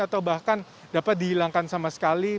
atau bahkan dapat dihilangkan sama sekali